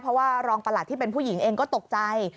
เพราะว่ารองประหลัดที่เป็นผู้หญิงเองก็ตกใจ